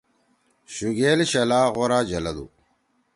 شُگیل شلا غورا جلَدُو۔